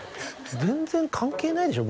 全然関係ないでしょう